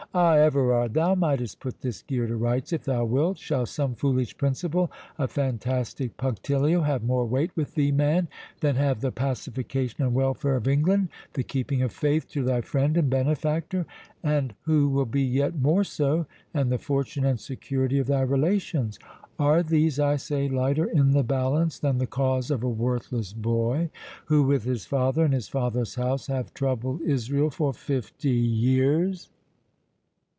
—Ah! Everard, thou mightest put this gear to rights if thou wilt! Shall some foolish principle of fantastic punctilio have more weight with thee, man, than have the pacification and welfare of England; the keeping of faith to thy friend and benefactor, and who will be yet more so, and the fortune and security of thy relations? Are these, I say, lighter in the balance than the cause of a worthless boy, who, with his father and his father's house, have troubled Israel for fifty years?"